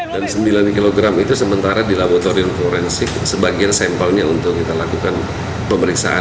dan sembilan kilogram itu sementara di laboratorium forensik sebagian sampelnya untuk kita lakukan pemeriksaan